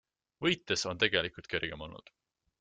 Võites on tegelikult kergem olnud.